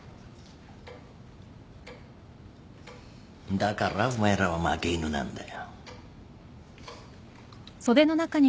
だからお前らは負け犬なんだよ。